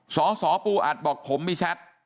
สสปูอัดบอกผมมีแชท